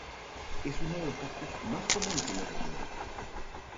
Es uno de los cactus más comunes en la región.